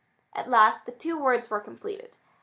At last the two words were completed.